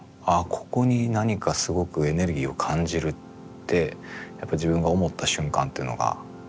ここに何かすごくエネルギーを感じるってやっぱり自分が思った瞬間というのがあって。